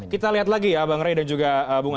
kita lihat lagi ya bang ray dan juga bunga